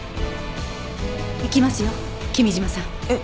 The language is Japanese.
行きますよ君嶋さん。えっ！？